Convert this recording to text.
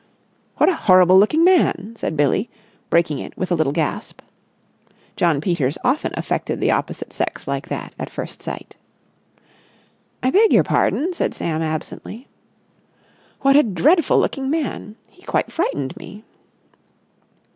"What a horrible looking man!" said Billie, breaking it with a little gasp. Jno. Peters often affected the opposite sex like that at first sight. "I beg your pardon?" said Sam absently. "What a dreadful looking man! He quite frightened me!"